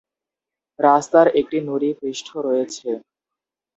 রাস্তার একটি নুড়ি পৃষ্ঠ রয়েছে।